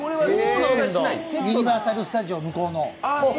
ユニバーサルスタジオ、向こうの。